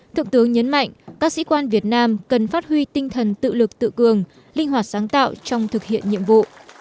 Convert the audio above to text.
thượng tướng nhấn mạnh các sĩ quan việt nam cần phát huy tinh thần tự lực tự cường linh hoạt sáng tạo trong thực hiện nhiệm vụ